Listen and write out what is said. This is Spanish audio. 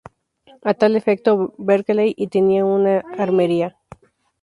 A tal efecto Berkeley tenía una armería.